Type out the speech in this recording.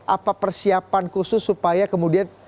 apa persiapan khusus supaya kemudian